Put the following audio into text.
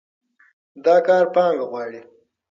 دا کار پانګه غواړي.